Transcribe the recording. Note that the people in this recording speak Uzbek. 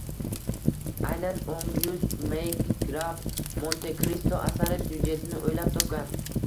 Aynan Ogyust Make “Graf Monte Kristo” asari syujetini o‘ylab topgan.